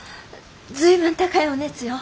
随分高いお熱よ。